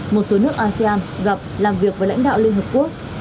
một số nước asean gặp làm việc với lãnh đạo liên hợp quốc